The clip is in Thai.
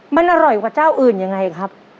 มันอร่อยกว่าเจ้าอื่นยังไงครับ